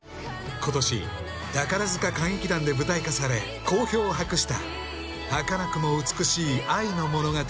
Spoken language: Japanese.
今年、宝塚歌劇団で舞台化され好評を博した、はかなくも美しい愛の物語。